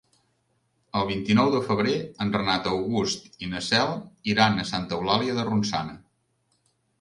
El vint-i-nou de febrer en Renat August i na Cel iran a Santa Eulàlia de Ronçana.